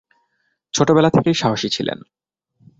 ছোটবেলা থেকেই সাহসী ছিলেন।